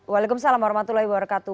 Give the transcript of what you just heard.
waalaikumsalam warahmatullahi wabarakatuh